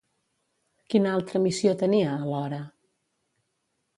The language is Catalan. Quina altra missió tenia, alhora?